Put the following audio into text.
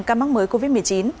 các mắc mới covid một mươi chín